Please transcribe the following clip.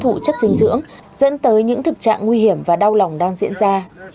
thủ chất dinh dưỡng dẫn tới những thực trạng nguy hiểm và đau lòng đang diễn ra